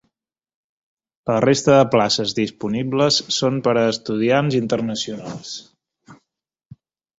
La resta de places disponibles són per a estudiants internacionals.